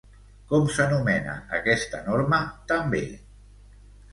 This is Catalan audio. Com s'anomena aquesta norma també?